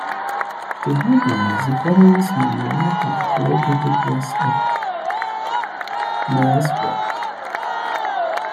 The High Ground is a veterans' memorial park located west of Neillsville.